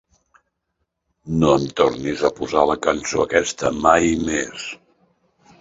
No em tornis a posar la cançó aquesta mai més.